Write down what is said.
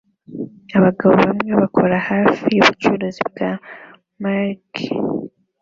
Abagabo bamwe bakora hafi yubucuruzi bwa marquis